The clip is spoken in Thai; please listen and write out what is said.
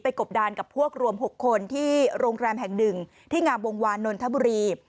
กบดานกับพวกรวม๖คนที่โรงแรมแห่งหนึ่งที่งามวงวานนทบุรี